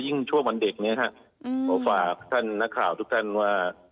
ยิ่งช่วงวันเด็กเนี่ยครับเขาฝากท่านนักข่าวทุกท่านว่า